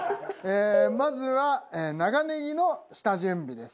まずは長ネギの下準備です。